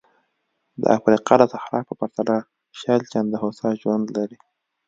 د افریقا د صحرا په پرتله شل چنده هوسا ژوند لري.